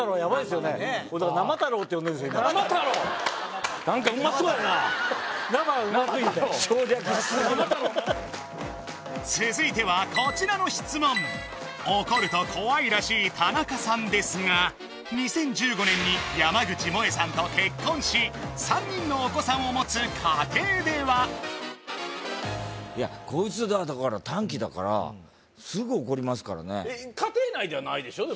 生太朗何かうまそうやな生うますぎて省略しすぎだ続いてはこちらの質問怒ると怖いらしい田中さんですが２０１５年に山口もえさんと結婚し３人のお子さんを持つ家庭ではいやこいつだから短気だからすぐ怒りますからね家庭内ではないでしょ？